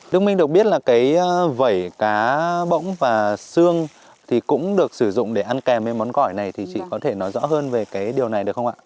đức minh được biết là cái vẩy cá bỗng và xương thì cũng được sử dụng để ăn kèm với món gỏi này thì chị có thể nói rõ hơn về cái điều này được không ạ